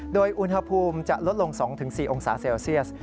โดยอุณหภูมิจะลดลง๒๔องศาเซลเซียส